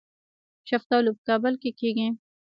شفتالو په کابل کې کیږي